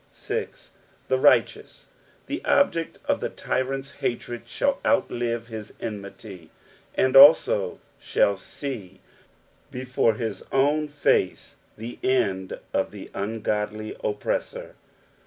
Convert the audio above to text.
6. " The righteovt'' — the object of the tyrant's hatred — shall outlive his enmity, and "aim ahall >ee," before his own face, the end of the ungodly oppressor!